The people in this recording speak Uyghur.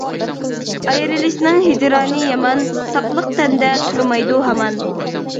ئايرىلىشنىڭ ھىجرانى يامان، ساقلىق تەندە تۇرمايدۇ ھامان.